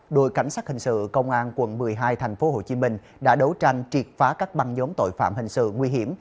đội cảnh sát hình sự công an quận một mươi hai tp hcm đã đấu tranh triệt phá các băng nhóm tội phạm hình sự nguy hiểm